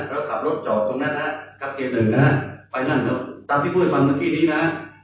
แล้วขับรถจอตรงนั้นนะกลับเกจหนึ่งนะฮะไปนั่นแล้วตามที่พูดไว้ฟังเมื่อกี้นี้นะ